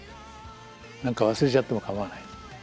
何か忘れちゃっても構わない。